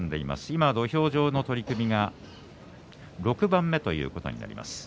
今、土俵上の取組が６番目ということになります。